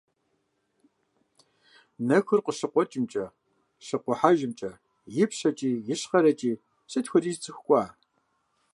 Нэхур къыщыкъуэкӀымкӀэ, щыкъухьэжымкӀэ, ипщэкӀи, ищхъэрэкӀи сыт хуэдиз цӀыху кӀуа!